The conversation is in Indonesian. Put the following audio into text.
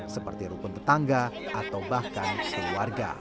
seperti rukun tetangga atau bahkan keluarga